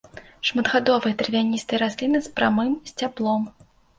Шматгадовыя травяністыя расліны з прамым сцяблом.